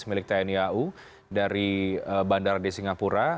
milik tni au dari bandara di singapura